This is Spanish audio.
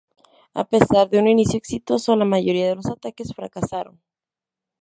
A pesar de un inicio exitoso, la mayoría de los ataques fracasaron.